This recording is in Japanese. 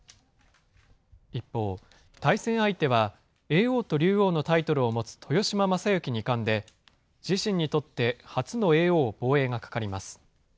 一方、対戦相手は、叡王と竜王のタイトルを持つ豊島将之二冠で、自身にとって初の叡王防衛が懸かります。